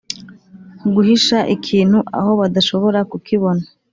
guhisha ikintu aho badashobora kukibona